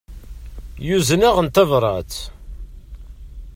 Yuzen-aɣ-n tabrat.